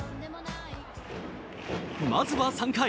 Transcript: まずは、３回。